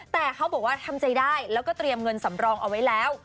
แต่เขาบอกว่าทำใจได้แล้วก็เตรียมเงินสำรองเอาไว้แล้ว